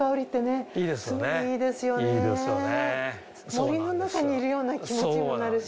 森の中にいるような気持ちになるし。